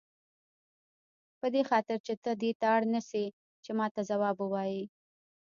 په دې خاطر چې ته دې ته اړ نه شې چې ماته ځواب ووایې.